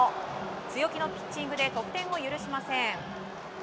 強気のピッチングで得点を許しません。